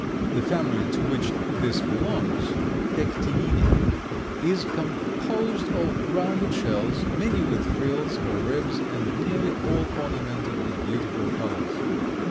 The family to which this belongs (Pectinidae) is composed of rounded shells, many with frills or ribs and nearly all ornamented with beautiful colors.